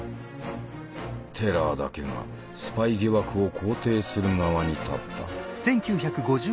テラーだけがスパイ疑惑を肯定する側に立った。